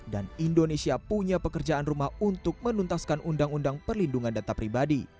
dan indonesia punya pekerjaan rumah untuk menuntaskan undang undang perlindungan data pribadi